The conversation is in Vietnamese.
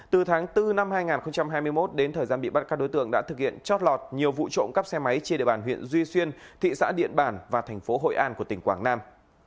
từ tháng bốn năm hai nghìn hai mươi một đến thời gian bị bắt các đối tượng đã thực hiện chót lọt nhiều vụ trộm cắp xe máy trên địa bàn huyện duy xuyên thị xã điện bản và thành phố hội an của tỉnh quảng nam